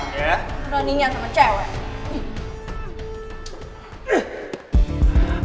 tidak ada yang bisa dikendali sama cewek